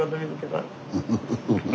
フフフフッ。